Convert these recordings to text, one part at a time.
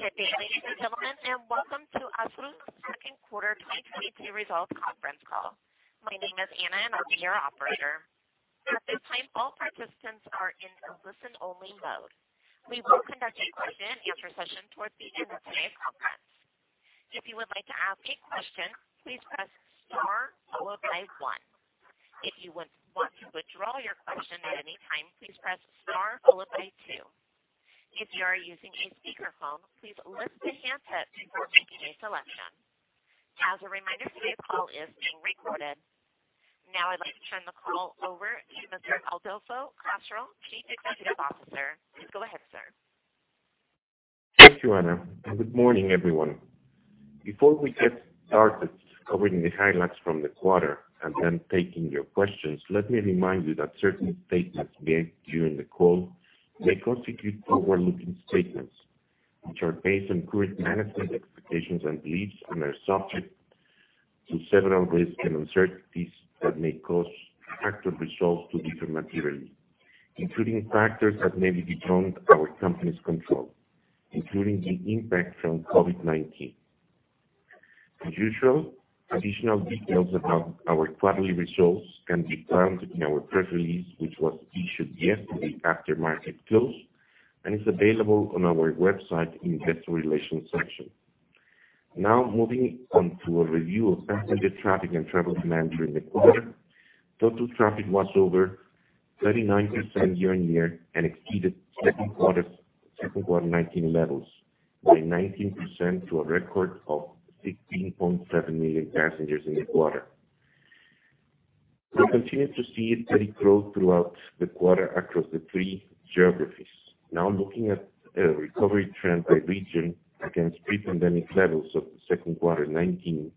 Good day, ladies and gentlemen, and welcome to ASUR's second quarter 2022 results conference call. My name is Anna, and I'll be your operator. At this time, all participants are in a listen-only mode. We will conduct a question-and-answer session towards the end of today's conference. If you would like to ask a question, please press star followed by one. If you would want to withdraw your question at any time, please press star followed by two. If you are using a speakerphone, please lift the handset before making a selection. As a reminder, today's call is being recorded. Now I'd like to turn the call over to Mr. Adolfo Castro Rivas, Chief Executive Officer. Please go ahead, sir. Thank you, Anna, and good morning, everyone. Before we get started covering the highlights from the quarter and then taking your questions, let me remind you that certain statements made during the call may constitute forward-looking statements, which are based on current management expectations and beliefs and are subject to several risks and uncertainties that may cause actual results to differ materially, including factors that may be beyond our company's control, including the impact from COVID-19. As usual, additional details about our quarterly results can be found in our press release, which was issued yesterday after market close and is available on our website Investor Relations section. Now moving on to a review of passenger traffic and travel demand during the quarter. Total traffic was over 39% year-on-year and exceeded second quarter 2019 levels by 19% to a record of 16.7 million passengers in the quarter. We continued to see steady growth throughout the quarter across the three geographies. Now looking at recovery trends by region against pre-pandemic levels of the second quarter 2019.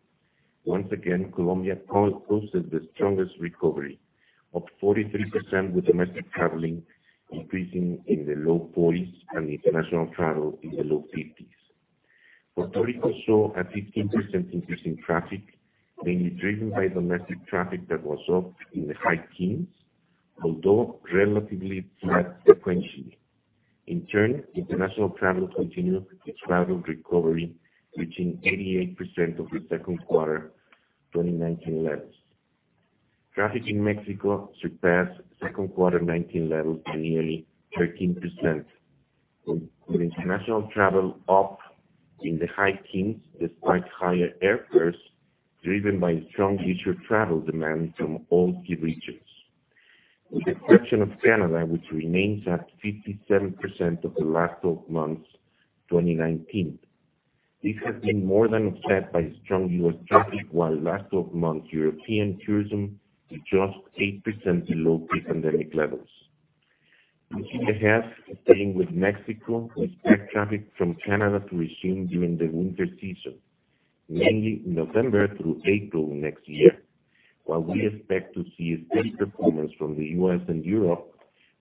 Once again, Colombia posted the strongest recovery of 43%, with domestic travel increasing in the low 40s and international travel in the low 50s. Puerto Rico saw a 15% increase in traffic, mainly driven by domestic traffic that was up in the high teens, although relatively flat sequentially. In turn, international travel continued its travel recovery, reaching 88% of the second quarter 2019 levels. Traffic in Mexico surpassed second quarter 2019 levels by nearly 13%, with international travel up in the high teens despite higher airfares, driven by strong leisure travel demand from all key regions. With the exception of Canada, which remains at 57% of the last twelve months, 2019. This has been more than offset by strong U.S. traffic, while last twelve months European tourism is just 8% below pre-pandemic levels. Looking ahead, staying with Mexico, we expect traffic from Canada to resume during the winter season, mainly November through April next year. While we expect to see steady performance from the U.S. and Europe,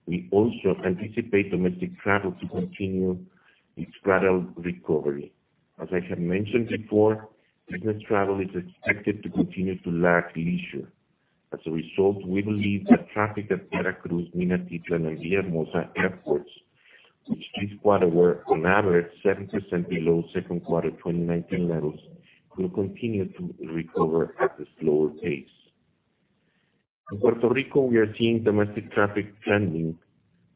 we also anticipate domestic travel to continue its travel recovery. As I have mentioned before, business travel is expected to continue to lag leisure. As a result, we believe that traffic at Veracruz, Minatitlan, and Villahermosa airports, which this quarter were on average 7% below second quarter 2019 levels, will continue to recover at a slower pace. In Puerto Rico, we are seeing domestic traffic trending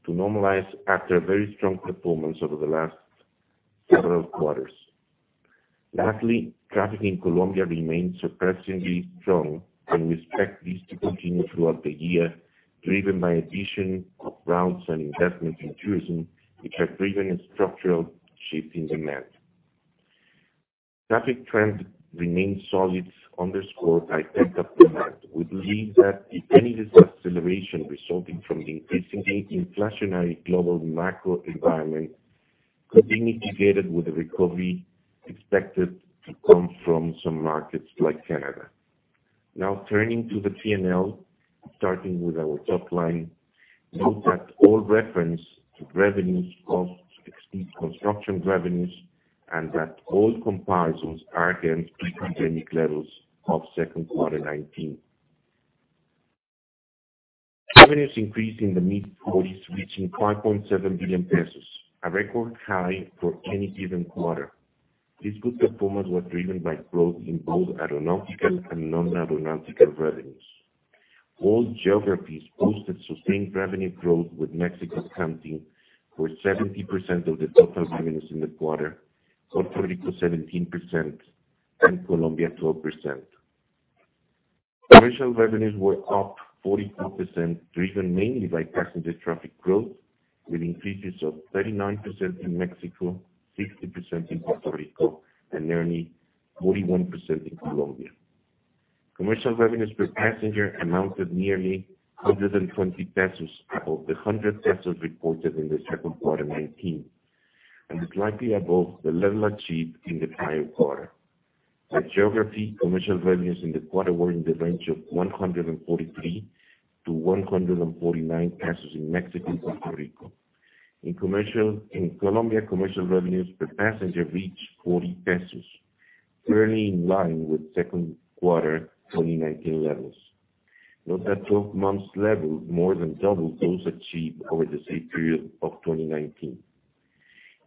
to normalize after a very strong performance over the last several quarters. Lastly, traffic in Colombia remains surprisingly strong, and we expect this to continue throughout the year, driven by addition of routes and investments in tourism, which have driven a structural shift in demand. Traffic trends remain solid, underscored by pent-up demand. We believe that any deceleration resulting from the increasingly inflationary global macro environment could be mitigated with the recovery expected to come from some markets like Canada. Now turning to the P&L, starting with our top line. Note that all reference to revenues and costs exclude construction revenues and that all comparisons are against pre-pandemic levels of second quarter 2019. Revenues increased in the mid-40s%, reaching 5.7 billion pesos, a record high for any given quarter. This good performance was driven by growth in both aeronautical and non-aeronautical revenues. All geographies boosted sustained revenue growth, with Mexico accounting for 70% of the total revenues in the quarter, Puerto Rico 17% and Colombia 12%. Commercial revenues were up 44%, driven mainly by passenger traffic growth, with increases of 39% in Mexico, 60% in Puerto Rico and nearly 41% in Colombia. Commercial revenues per passenger amounted nearly 120 pesos, above the 100 pesos reported in the second quarter 2019 and slightly above the level achieved in the prior quarter. By geography, commercial revenues in the quarter were in the range of 143-149 pesos in Mexico and Puerto Rico. In Colombia, commercial revenues per passenger reached COP 40, fairly in line with second quarter 2019 levels. Note that 12-month level more than doubled those achieved over the same period of 2019.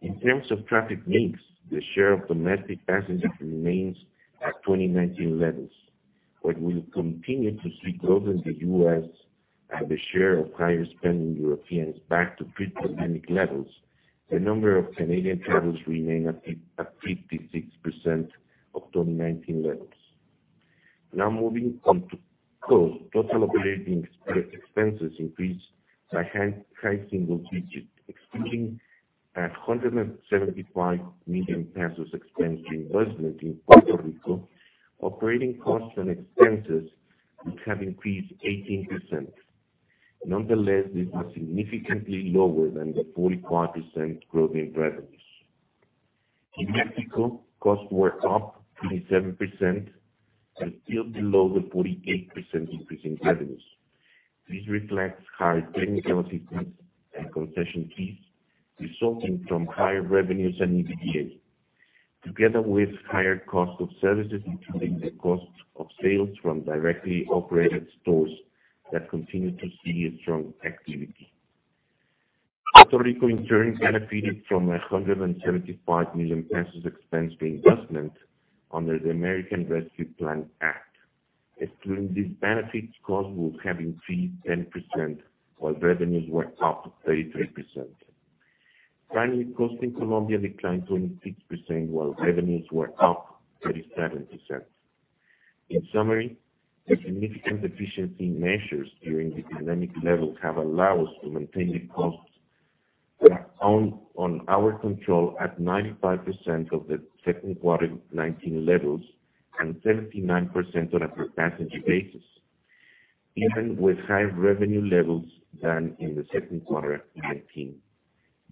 In terms of traffic mix, the share of domestic passengers remains at 2019 levels. We continue to see growth in the U.S. have a share of higher spending Europeans back to pre-pandemic levels. The number of Canadian travelers remain at 56% of 2019 levels. Now moving on to costs. Total operating expenses increased by high single digits, excluding MXN 175 million expense reinvestment in Puerto Rico. Operating costs and expenses, which have increased 18%. Nonetheless, these are significantly lower than the 45% growth in revenues. In Mexico, costs were up 27% and still below the 48% increase in revenues. This reflects higher technical assistance and concession fees resulting from higher revenues and EBITDA, together with higher cost of services, including the cost of sales from directly operated stores that continue to see a strong activity. Puerto Rico, in turn, benefited from 175 million pesos expense reinvestment under the American Rescue Plan Act. Excluding these benefits, costs would have increased 10%, while revenues were up 33%. Finally, costs in Colombia declined 26%, while revenues were up 37%. In summary, the significant efficiency measures during the pandemic levels have allowed us to maintain the costs that are under our control at 95% of the second quarter 2019 levels and 39% on a per passenger basis, even with higher revenue levels than in the second quarter of 2019.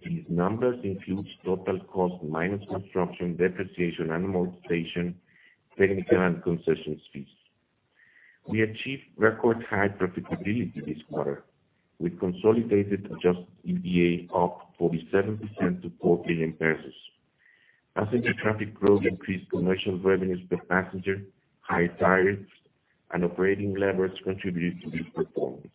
These numbers include total cost minus construction, depreciation and amortization, technical and concession fees. We achieved record high profitability this quarter with consolidated adjusted EBITDA up 47% to 4 billion pesos. Passenger traffic growth increased commercial revenues per passenger. High tariffs and operating leverage contributed to this performance.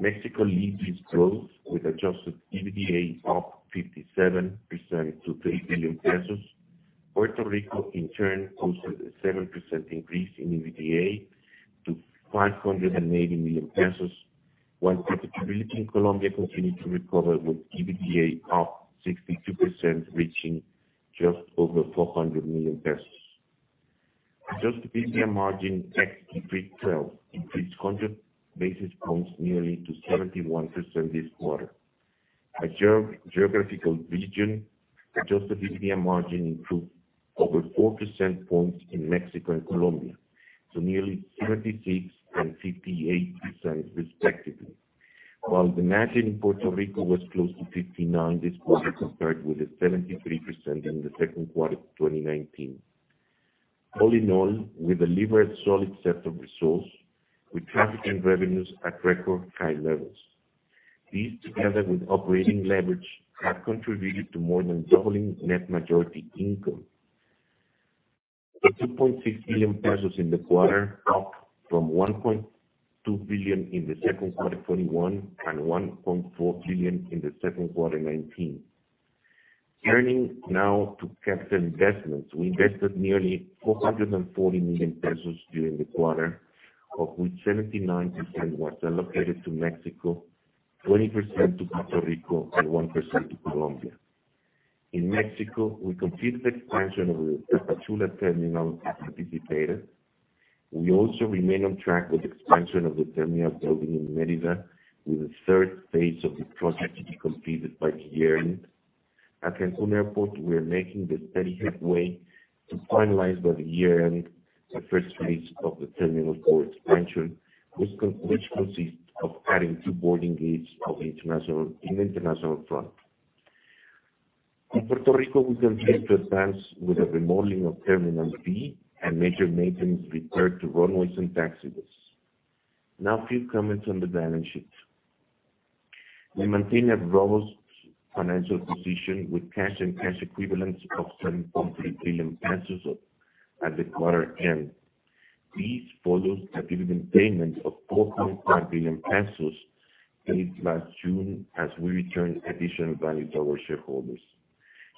Mexico leads this growth with adjusted EBITDA up 57% to 3 billion pesos. Puerto Rico, in turn, posted a 7% increase in EBITDA to 580 million pesos, while profitability in Colombia continued to recover, with EBITDA up 62%, reaching just over MXN 400 million. Adjusted EBITDA margin, ex-Q3 2012, increased 100 basis points nearly to 71% this quarter. By geographical region, adjusted EBITDA margin improved over 4 percentage points in Mexico and Colombia to nearly 76% and 58% respectively, while the margin in Puerto Rico was close to 59% this quarter, compared with the 73% in the second quarter of 2019. All in all, we delivered solid set of results with traffic and revenues at record high levels. These, together with operating leverage, have contributed to more than doubling net majority income to 2.6 billion pesos in the quarter, up from 1.2 billion in the second quarter of 2021 and 1.4 billion in the second quarter of 2019. Turning now to capital investments. We invested nearly 440 million pesos during the quarter, of which 79% was allocated to Mexico, 20% to Puerto Rico and 1% to Colombia. In Mexico, we completed the expansion of the Tapachula terminal as anticipated. We also remain on track with expansion of the terminal building in Mérida, with the third phase of the project to be completed by the year end. At Cancún Airport, we are making steady headway to finalize by year-end the first phase of the Terminal 4 expansion, which consists of adding two boarding gates in the international front. In Puerto Rico, we continue to advance with the remodeling of Terminal B and major maintenance required to runways and taxiways. Now, a few comments on the balance sheet. We maintain a robust financial position with cash and cash equivalents of 7.3 billion pesos at quarter-end. This follows a dividend payment of 4.5 billion pesos paid last June as we return additional value to our shareholders.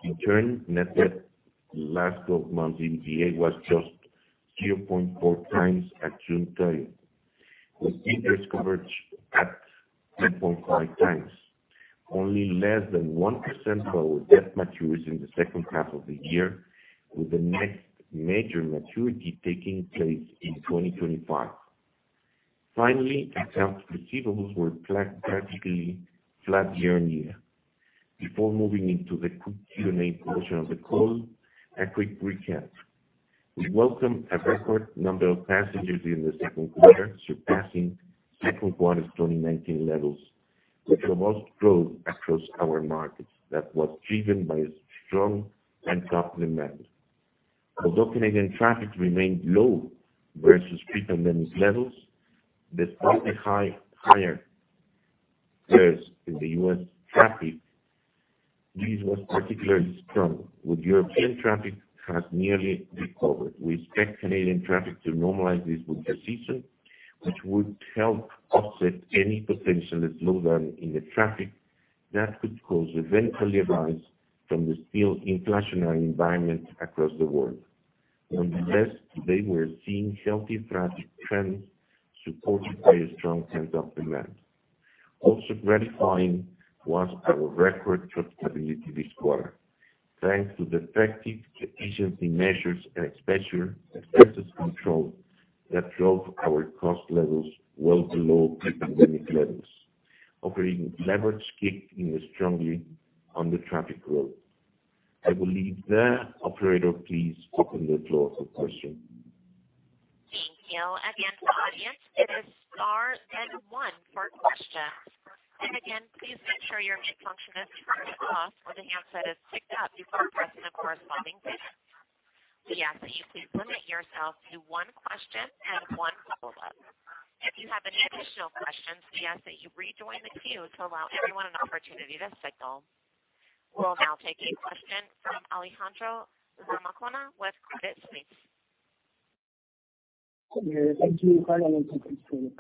In turn, net debt last twelve months EBITDA was just 0.4 times at June 30, with interest coverage at 10.5 times. Only less than 1% of our debt matures in the second half of the year, with the next major maturity taking place in 2025. Finally, accounts receivables were flat, practically flat year on year. Before moving into the Q&A portion of the call, a quick recap. We welcome a record number of passengers in the second quarter, surpassing second quarter 2019 levels with robust growth across our markets that was driven by a strong recovery demand. Although Canadian traffic remained low versus pre-pandemic levels despite higher, whereas in the US traffic, this was particularly strong, with European traffic has nearly recovered. We expect Canadian traffic to normalize this peak season, which would help offset any potential slowdown in the traffic that could eventually arise from the still inflationary environment across the world. On the west, today we're seeing healthy traffic trends supported by a strong pent-up demand. Also gratifying was our record profitability this quarter, thanks to the effective efficiency measures, and especially expenses control that drove our cost levels well below the pandemic levels. Operating leverage kicked in strongly on the traffic growth. I will leave there. Operator, please open the floor for question. Thank you. Again, audience, it is star then one for questions. Again, please ensure your mute function is turned off or the handset is picked up before pressing the corresponding digit. We ask that you please limit yourself to one question and one follow-up. If you have any additional questions, we ask that you rejoin the queue to allow everyone an opportunity to cycle. We'll now take a question from Alejandro Zamacona with Credit Suisse. Yeah, thank you. Hi, Alejandro from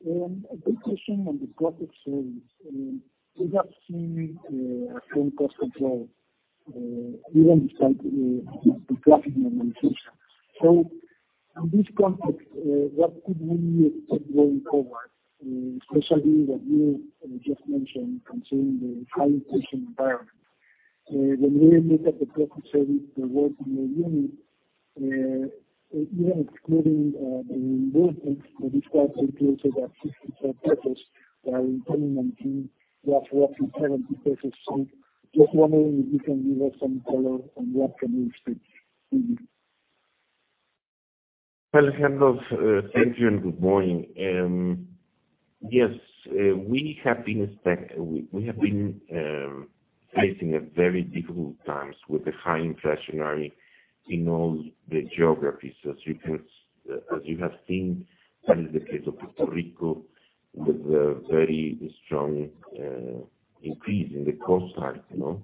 Credit Suisse. A quick question on the profit margins. We have seen strong cost control even despite the traffic normalization. In this context, what could we expect going forward, especially what you just mentioned concerning the high inflation environment? When we look at the profit margins, the working capital, even excluding the reimbursement that you described in terms of about 55%, while in 2019 that was 70%. Just wondering if you can give us some color on what can we expect really. Alejandro, thank you and good morning. Yes. We have been facing a very difficult times with the high inflation in all the geographies. As you have seen, that is the case of Puerto Rico with a very strong increase in the cost side, you know.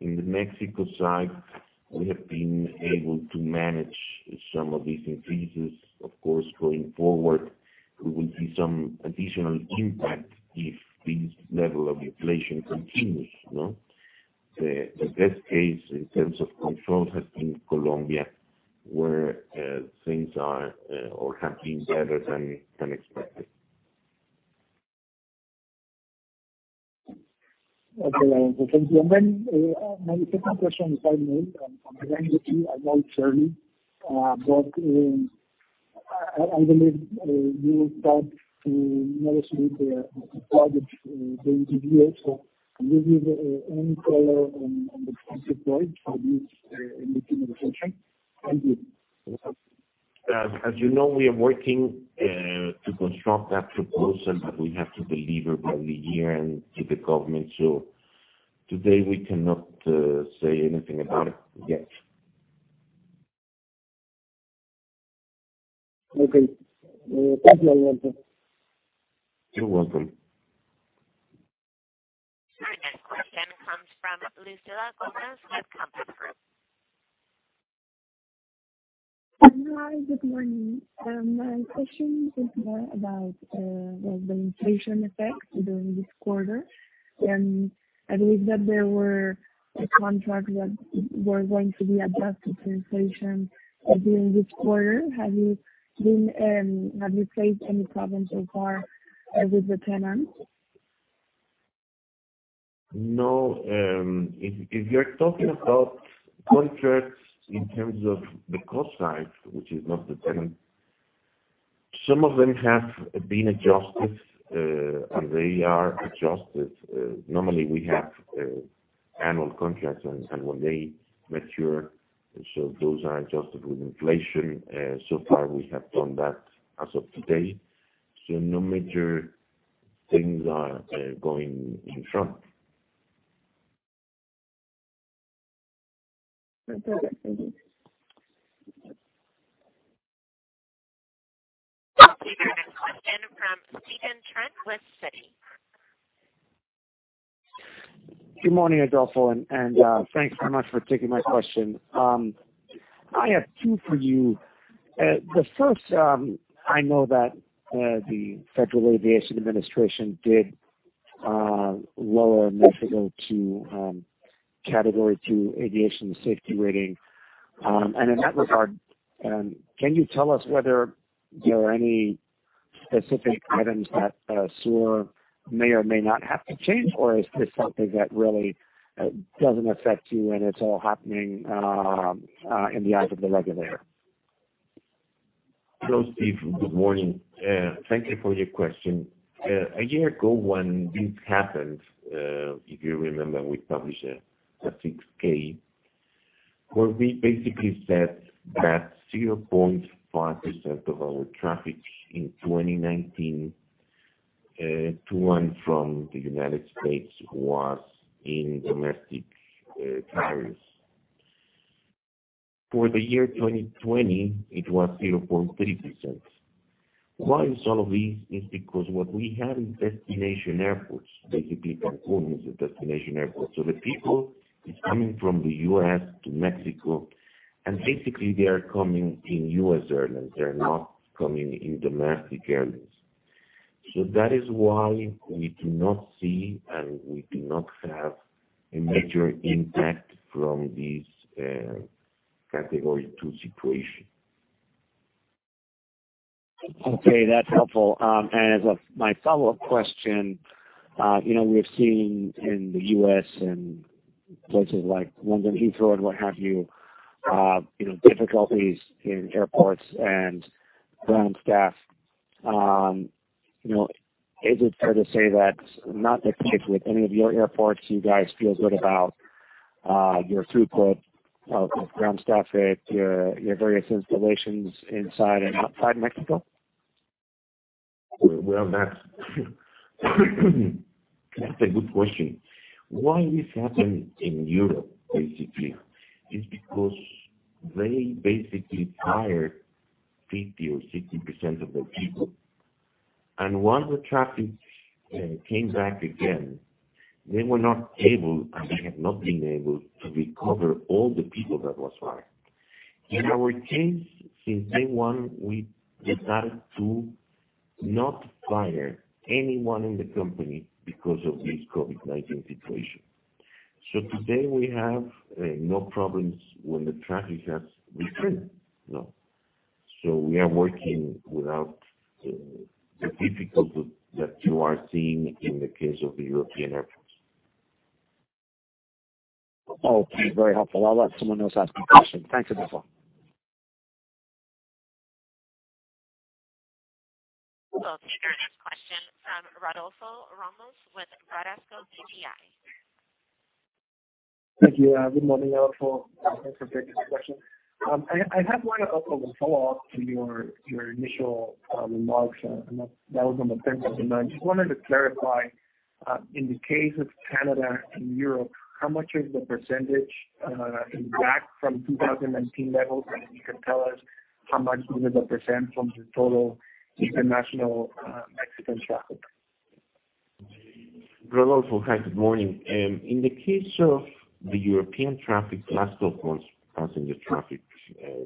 In the Mexico side, we have been able to manage some of these increases. Of course, going forward, we will see some additional impact if this level of inflation continues, you know. The best case in terms of control has been Colombia, where things are or have been better than expected. Okay. Thank you. My second question is on the regulatory journey, but I believe you will talk about most of the progress during the year. Can you give any color on the standpoint for this during the session? Thank you. As you know, we are working to construct that proposal that we have to deliver by the year end to the government. Today we cannot say anything about it yet. Okay. Thank you, Adolfo. You're welcome. Our next question comes from Lucila Gomez with Compass Group. Hi, good morning. My question is more about, well, the inflation effect during this quarter. I believe that there were a contract that were going to be adjusted for inflation during this quarter. Have you faced any problems so far with the tenants? No. If you're talking about contracts in terms of the cost side, which is not the tenant, some of them have been adjusted, and they are adjusted. Normally we have annual contracts and when they mature, those are adjusted with inflation. So far we have done that as of today. No major things are going in front. Okay. Thank you. We have a question from Stephen Trent with Citi. Good morning, Adolfo, and thanks very much for taking my question. I have two for you. The first, I know that the Federal Aviation Administration did lower Mexico to Category 2 aviation safety rating. In that regard, can you tell us whether there are any specific items that ASUR may or may not have to change? Or is this something that really doesn't affect you and it's all happening in the eyes of the regulator? Hello, Steve. Good morning. Thank you for your question. A year ago when this happened, if you remember, we published a 6-K, where we basically said that 0.5% of our traffic in 2019 to and from the United States was in domestic carriers. For the year 2020, it was 0.3%. Why is all of this? It's because what we have is destination airports. Basically Cancún is a destination airport. The people is coming from the U.S. to Mexico, and basically, they are coming in U.S. airlines. They are not coming in domestic airlines. That is why we do not see, and we do not have a major impact from this Category 2 situation. Okay. That's helpful. And my follow-up question, you know, we've seen in the U.S. and places like London Heathrow and what have you know, difficulties in airports and ground staff, you know, is it fair to say that's not the case with any of your airports? You guys feel good about your throughput of ground staff at your various installations inside and outside Mexico? Well, Max, that's a good question. Why this happened in Europe, basically, is because they basically fired 50 or 60% of their people. Once the traffic came back again, they were not able, and they have not been able to recover all the people that was fired. In our case, since day one, we decided to not fire anyone in the company because of this COVID-19 situation. Today, we have no problems when the traffic has returned. No. We are working without the difficulty that you are seeing in the case of the European airports. Okay. Very helpful. I'll let someone else ask a question. Thanks, Adolfo. We'll take our next question from Rodolfo Ramos with Bradesco BBI. Thank you. Good morning, Adolfo. Thanks for taking this question. I have one also a follow-up to your initial remarks. I just wanted to clarify, in the case of Canada and Europe, how much is the percentage back from 2019 levels? And if you can tell us how much is the percent from the total international Mexican traffic? Rodolfo, hi, good morning. In the case of the European traffic, last few months passenger traffic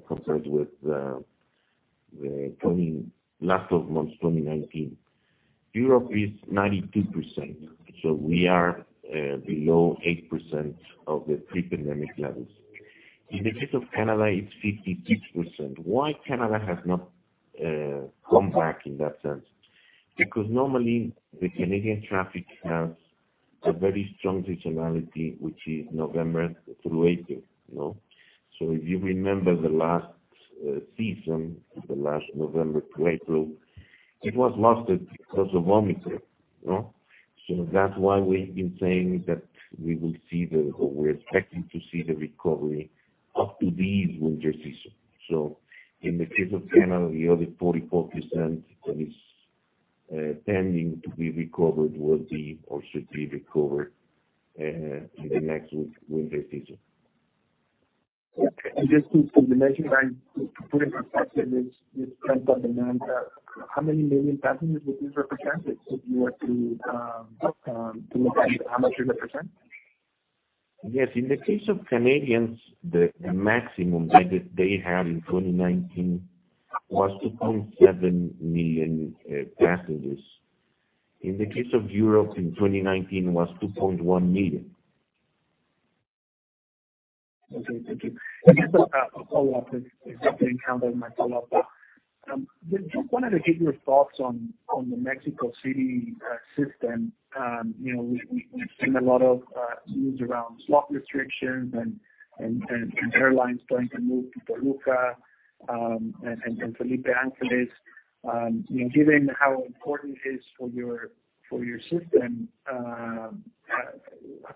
compared with 2019, Europe is 92%. We are below 8% of the pre-pandemic levels. In the case of Canada, it's 56%. Why has Canada not come back in that sense? Because normally, the Canadian traffic has a very strong seasonality, which is November through April, you know. If you remember the last season, the last November to April, it was lost because of Omicron, you know? That's why we've been saying that we're expecting to see the recovery up to this winter season. In the case of Canada, the other 44% that is pending to be recovered will be or should be recovered in the next winter season. Okay. Just to put it in perspective, this demand, how many million passengers would this represent if you were to look at how much is the percent? Yes. In the case of Canadians, the maximum they had in 2019 was 2.7 million passengers. In the case of Europe in 2019 was 2.1 million. Okay. Thank you. Again, a follow-up, if that didn't count as my follow-up. Just wanted to get your thoughts on the Mexico City system. You know, we've seen a lot of news around slot restrictions and airlines starting to move to Toluca and Felipe Ángeles. You know, given how important it is for your system,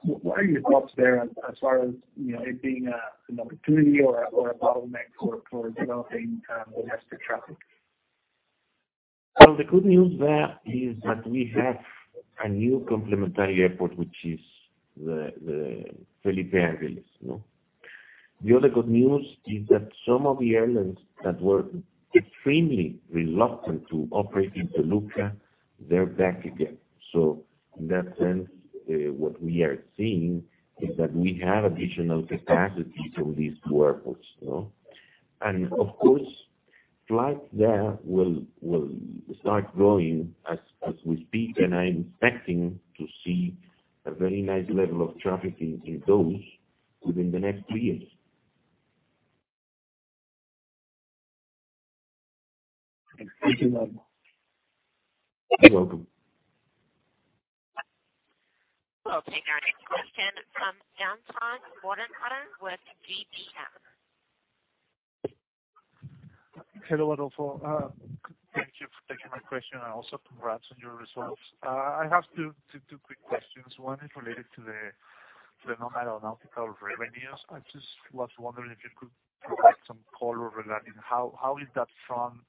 what are your thoughts there as far as, you know, it being an opportunity or a bottleneck for developing domestic traffic? Well, the good news there is that we have a new complementary airport, which is the Felipe Ángeles, you know. The other good news is that some of the airlines that were extremely reluctant to operate in Toluca, they're back again. So in that sense, what we are seeing is that we have additional capacity from these two airports, you know. Of course, flights there will start growing as we speak, and I'm expecting to see a very nice level of traffic in those within the next two years. Thank you, Adolfo. You're welcome. We'll take our next question from Anton Mortenkotter with GBM. Hello, Adolfo. Thank you for taking my question, and also congrats on your results. I have two quick questions. One is related to the non-aeronautical revenues. I just was wondering if you could provide some color regarding how that front is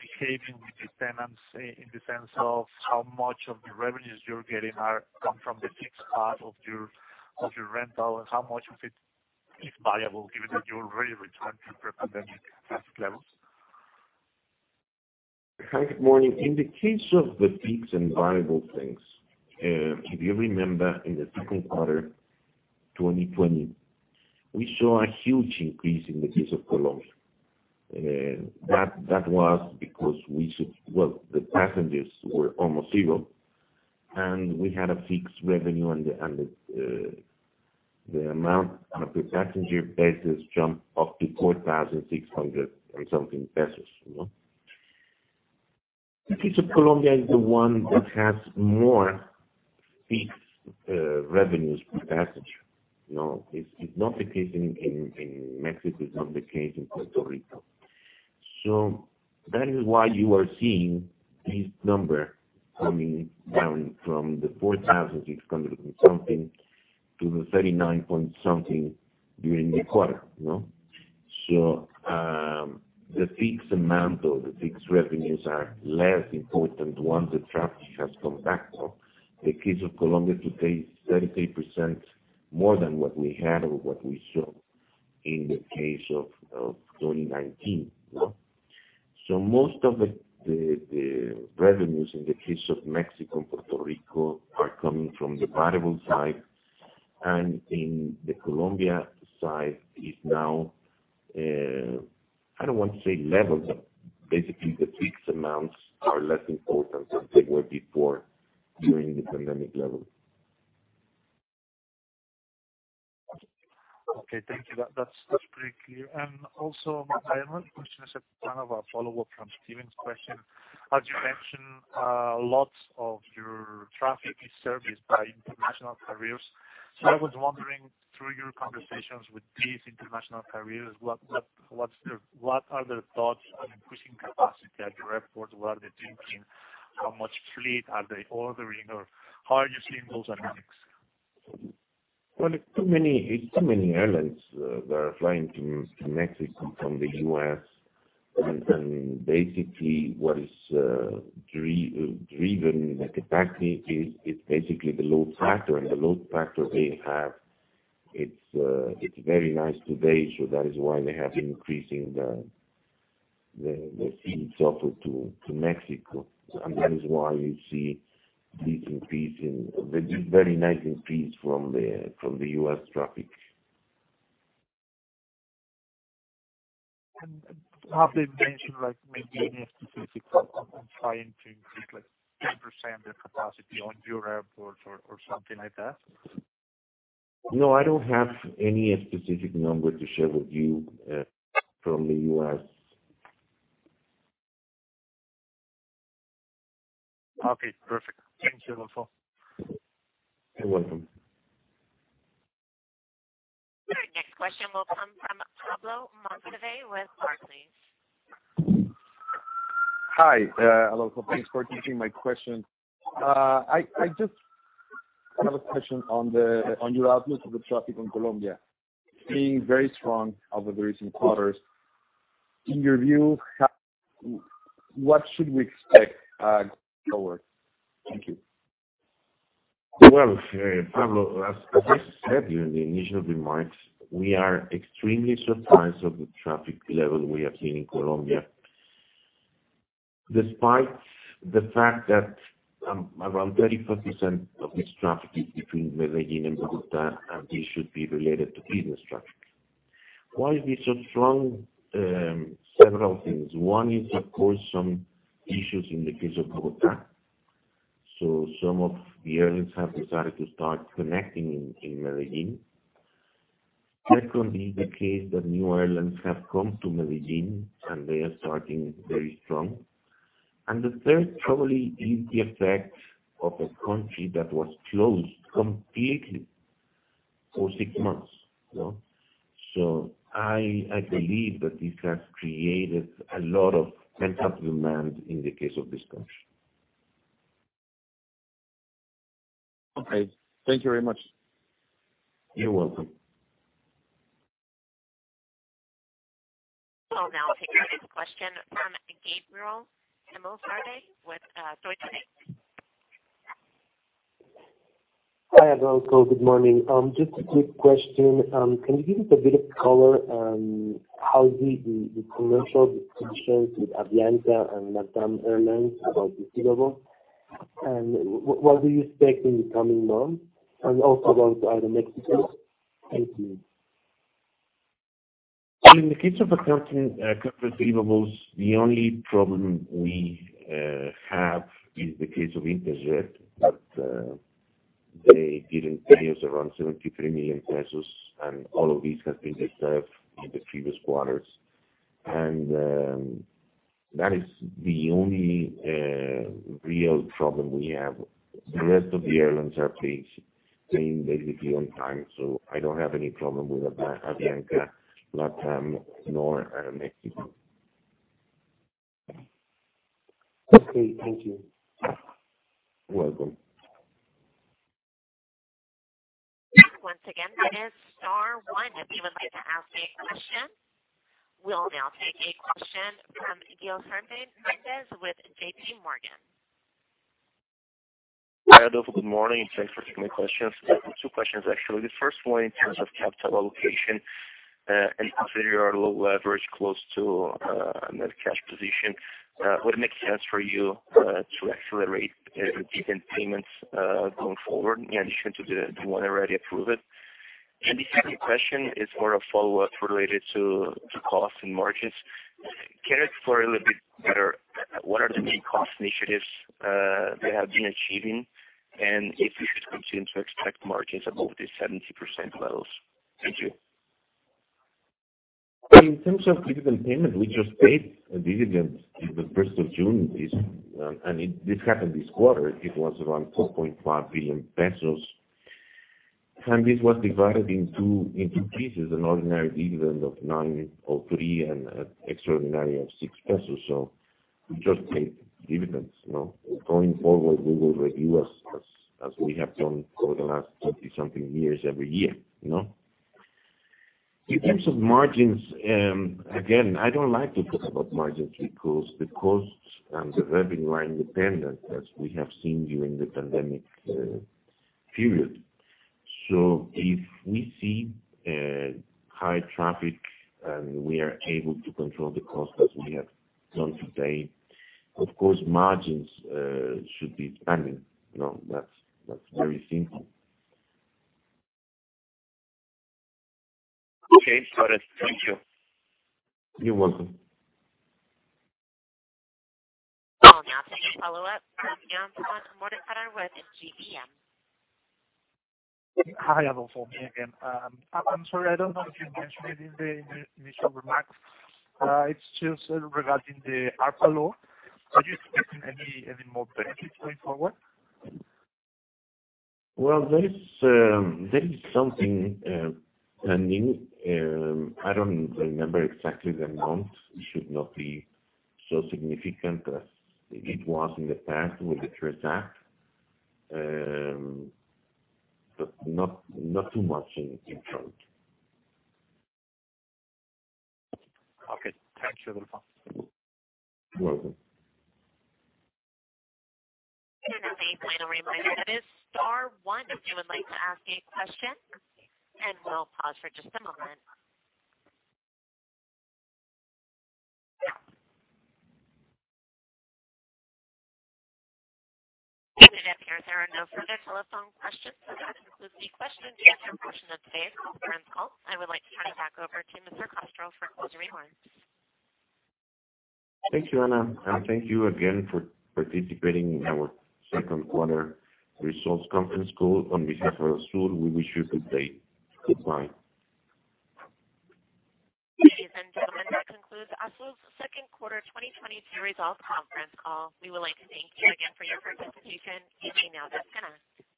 behaving with the tenants in the sense of how much of the revenues you're getting are coming from the fixed part of your rental and how much of it is variable given that you're already returned to pre-pandemic traffic levels? Hi, good morning. In the case of the fixed and variable things, if you remember in the second quarter 2020, we saw a huge increase in the case of Colombia. That was because. Well, the passengers were almost zero, and we had a fixed revenue and the amount on a per passenger basis jumped up to COP 4,600 and something pesos, you know. The case of Colombia is the one that has more fixed revenues per passenger, you know. It's not the case in Mexico. It's not the case in Puerto Rico. That is why you are seeing this number coming down from the COP 4,600 and something to the 39 point something during the quarter, you know. The fixed amount or the fixed revenues are less important once the traffic has come back up. The case of Colombia today is 38% more than what we had or what we saw in the case of 2019, you know. Most of the revenues in the case of Mexico and Puerto Rico are coming from the variable side, and in the Colombia side is now I don't want to say levels, but basically the fixed amounts are less important than they were before during the pandemic level. Okay. Thank you. That's pretty clear. Also, my other question is kind of a follow-up from Stephen's question. As you mentioned, lots of your traffic is serviced by international carriers. I was wondering, through your conversations with these international carriers, what's their thoughts on increasing capacity at your airport? What are they thinking? How much fleet are they ordering or how are you seeing those dynamics? Well, it's too many airlines that are flying to Mexico from the U.S. Basically what is driving like a taxi is, it's basically the load factor. The load factor they have, it's very nice today. That is why they have increasing the seats offered to Mexico. That is why you see this increase in a very nice increase from the U.S. traffic. Have they mentioned like maybe any specific on trying to increase like 10% their capacity on your airports or something like that? No, I don't have any specific number to share with you, from the US. Okay. Perfect. Thank you, Adolfo. You're welcome. Our next question will come from Pablo Monsivais with Barclays. Hi, Adolfo. Thanks for taking my question. I just have a question on your outlook of the traffic in Colombia. Being very strong over the recent quarters, in your view, what should we expect going forward? Thank you. Well, Pablo, as I said during the initial remarks, we are extremely surprised of the traffic level we have seen in Colombia, despite the fact that around 34% of this traffic is between Medellín and Bogotá, and this should be related to business traffic. Why is this so strong? Several things. One is of course some issues in the case of Bogotá. Some of the airlines have decided to start connecting in Medellín. Secondly, the fact that new airlines have come to Medellín, and they are starting very strong. The third probably is the effect of a country that was closed completely for six months, you know. I believe that this has created a lot of pent-up demand in the case of this country. Okay. Thank you very much. You're welcome. I will now take the next question from Gabriel Limardo with Deutsche Bank. Hi, Alfonso. Good morning. Just a quick question. Can you give us a bit of color on how the commercial discussions with Avianca and LATAM Airlines about receivables, and what do you expect in the coming months, and also about Aeroméxico? Thank you. In the case of accounting, account receivables, the only problem we have is the case of Interjet that they didn't pay us around 73 million pesos, and all of this has been reserved in the previous quarters. That is the only real problem we have. The rest of the airlines are paying basically on time, so I don't have any problem with Avianca, LATAM, nor Aeroméxico. Okay. Thank you. You're welcome. Once again, that is star one if you would like to ask a question. We'll now take a question from Diego Hernandez with JPMorgan. Hi, Adolfo. Good morning, and thanks for taking my questions. Two questions actually. The first one in terms of capital allocation, and considering your low leverage close to net cash position, would it make sense for you to accelerate dividend payments going forward in addition to the one already approved? The second question is more a follow-up related to cost and margins. Can you explore a little bit better what are the main cost initiatives that have been achieving and if you should continue to expect margins above the 70% levels? Thank you. In terms of dividend payment, we just paid a dividend in the first of June. This happened this quarter. It was around 4.5 billion pesos. This was divided in two pieces, an ordinary dividend of 9.3 and an extraordinary of 6 pesos. We just paid dividends, you know. Going forward, we will review as we have done for the last thirty something years every year, you know. In terms of margins, again, I don't like to talk about margins because the costs and the revenue are independent, as we have seen during the pandemic period. If we see high traffic and we are able to control the cost as we have done to date, of course, margins should be expanding. You know, that's very simple. Okay. Got it. Thank you. You're welcome. I'll now take a follow-up from Juan Morazan with GBM. Hi, Adolfo. Me again. I'm sorry, I don't know if you mentioned it in the initial remarks. It's just regarding the ARPA law. Are you expecting any more benefits going forward? Well, there is something pending. I don't remember exactly the amount. It should not be so significant as it was in the past with the CARES Act. Not too much in front. Okay. Thank you, Adolfo. You're welcome. As a final reminder, it is star one if you would like to ask a question, and we'll pause for just a moment. It appears there are no further telephone questions. That concludes the question and answer portion of today's conference call. I would like to turn it back over to Mr. Castro for closing remarks. Thank you, Anna, and thank you again for participating in our second quarter results conference call. On behalf of ASUR, we wish you good day. Goodbye. Ladies and gentlemen, that concludes ASUR's second quarter 2022 results conference call. We would like to thank you again for your participation. You may now disconnect.